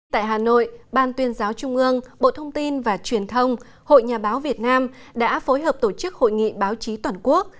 tại hà nội ban tuyên giáo trung ương bộ thông tin và truyền thông hội nhà báo việt nam đã phối hợp tổ chức hội nghị báo chí toàn quốc